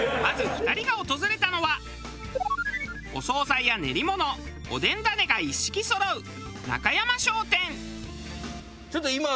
まず２人が訪れたのはお総菜や練り物おでんダネが一式そろう。